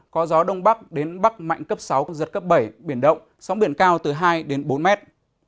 có gió đông bắc đến bắc mạnh cấp sáu giật cấp bảy biển động sóng biển cao từ hai đến bốn mét